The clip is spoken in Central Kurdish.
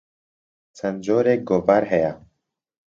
چەند جۆرێک گۆڤار هەیە.